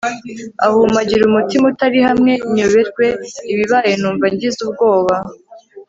ahumagira umutima utari hamwe, nyoberwa ibibaye numva ngize ubwoba